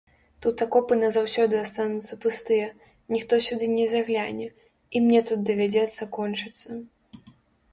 Тут акопы назаўсёды астануцца пустыя, ніхто сюды не загляне, і мне тут давядзецца кончыцца.